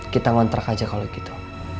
kita ngontrak aja kalau gitu